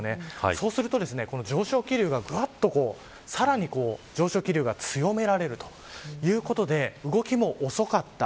そうすると上昇気流がさらに上昇気流が強められるということで動きも遅かった。